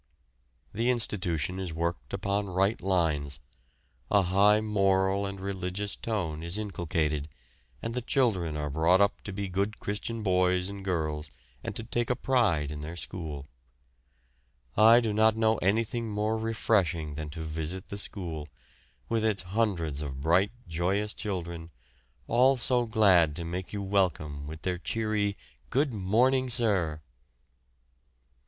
The institution is worked upon right lines; a high moral and religious tone is inculcated, and the children are brought up to be good Christian boys and girls and to take a pride in their school. I do not know anything more refreshing than to visit the school, with its hundreds of bright, joyous children, all so glad to make you welcome with their cheery "Good morning, sir!"